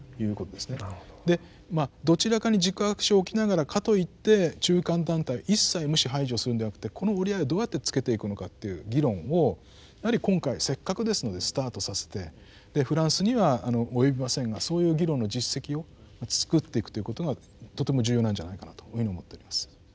でまあどちらかに軸足を置きながらかといって中間団体一切無視排除するんではなくてこの折り合いをどうやってつけていくのかという議論をやはり今回せっかくですのでスタートさせてでフランスには及びませんがそういう議論の実績を作っていくということがとても重要なんじゃないかなというふうに思っております。